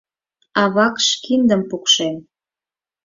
А вакш киндым пукшен.